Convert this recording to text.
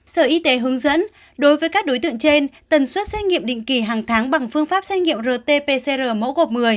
sở y tế hướng dẫn đối với các đối tượng trên tần suất xét nghiệm định kỳ hàng tháng bằng phương pháp xét nghiệm rt pcr mẫu gộp một mươi